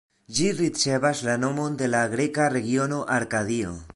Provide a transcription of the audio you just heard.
Ĝi ricevas la nomon de la greka regiono Arkadio.